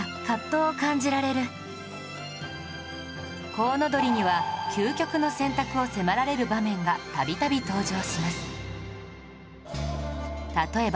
『コウノドリ』には究極の選択を迫られる場面が度々登場します